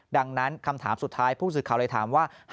ดังนั้นคำถามสุดท้ายผู้สื่อข่าวเลยถามว่า